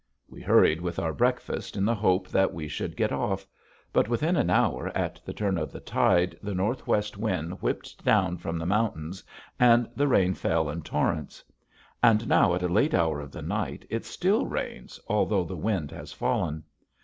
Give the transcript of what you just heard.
We hurried with our breakfast in the hope that we should get off; but within an hour at the turn of the tide the northwest wind whipped down from the mountains and the rain fell in torrents. And now at a late hour of the night it still rains although the wind has fallen.